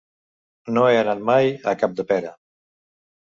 No he anat mai a Capdepera.